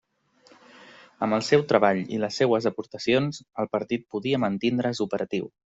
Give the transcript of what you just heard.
Amb el seu treball i les seues aportacions, el partit podia mantindre's operatiu.